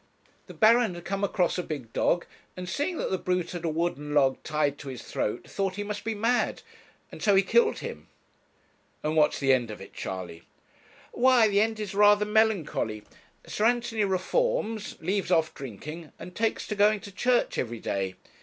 The Baron had come across a big dog, and seeing that the brute had a wooden log tied to his throat, thought he must be mad, and so he killed him.' 'And what's the end of it, Charley?' 'Why, the end is rather melancholy. Sir Anthony reforms, leaves off drinking, and takes to going to church everyday.